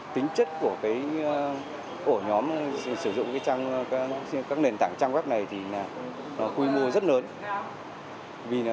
tính chất của ổ nhóm sử dụng các nền tảng trang web này thì quy mô rất lớn